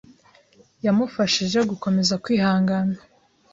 yamufashije gukomeza kwihangana.